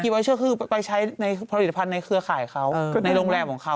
ไม่กิ๊บไวเชอร์คือไปใช้ผลิตภัณฑ์ในเครือข่ายเขาในโรงแรมของเขา